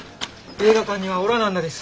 映画館にはおらなんだです。